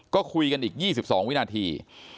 ก็คุยกันอีก๒๒วินาที